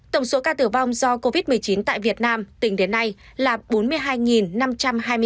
tổng số ca tử vong do covid một mươi chín tại việt nam tỉnh đến nay là bốn mươi hai năm trăm hai mươi sáu ca chiếm tỷ lệ bốn so với tổng số ca nhẫm